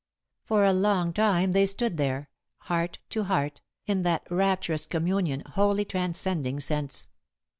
For a long time they stood there, heart to heart, in that rapturous communion wholly transcending sense.